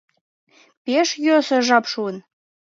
Пеш йӧсӧ жап шуын.